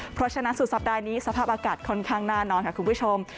เพราะฉะนั้นสุดสัปดาห์นี้สภาพอากาศค่อนข้างน่านอนค่ะคุณผู้ชม